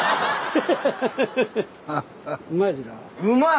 うまい！